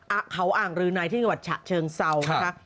อ่ะเขาอ่างรืนายที่กรรมชะเชิงเซานะคะ